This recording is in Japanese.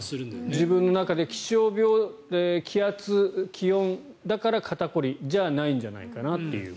自分の中で気温、気圧だから肩凝りじゃないんじゃないかなという。